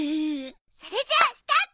それじゃあスタート。